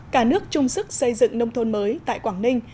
cả nước chung sức xây dựng nông thôn mới tại quảng ninh